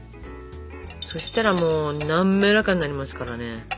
そしたらもうなめらかになりますからね。